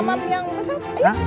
mamam yang besar